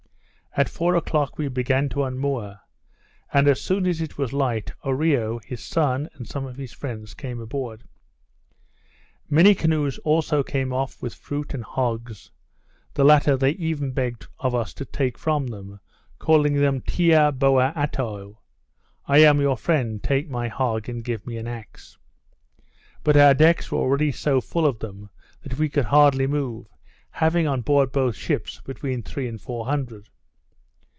At four o'clock we began to unmoor; and as soon as it was light, Oreo, his son, and some of his friends, came aboard. Many canoes also came off with fruit and hogs, the latter they even begged of us to take from them, calling out Tiyo boa atoi. I am your friend, take my hog, and give me an axe. But our decks were already so full of them, that we could hardly move, having, on board both ships, between three and four hundred.